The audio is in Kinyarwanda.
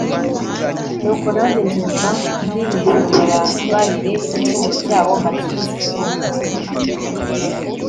nuko nanjye nzumva ndi mu ijuru, mbababarire igicumuro cyabo, mbakirize igihugu